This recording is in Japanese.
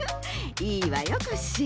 いいわよコッシー。